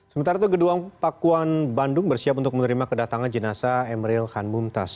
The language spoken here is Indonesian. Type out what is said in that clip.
sementara itu kedua pakuan bandung bersiap untuk menerima kedatangan jenasa emeril khan buntas